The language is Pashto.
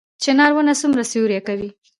چنار ونه څومره سیوری کوي؟